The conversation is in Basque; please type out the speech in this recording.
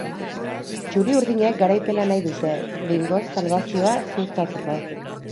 Txuri-urdinek garaipena nahi dute behingoz salbazioa ziurtatzeko.